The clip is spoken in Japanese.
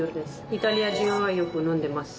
イタリア人はよく飲んでます。